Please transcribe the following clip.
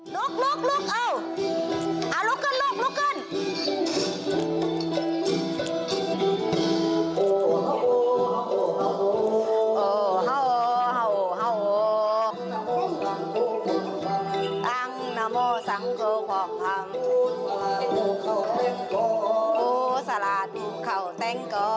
ลุกเอ้าลุกขึ้น